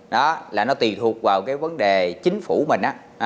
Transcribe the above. đó là nó tùy thuộc vào cái vấn đề chính phủ mình á